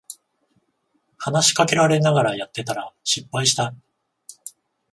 話しかけられながらやってたら失敗した